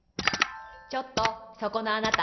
ちょっとそこのあなた。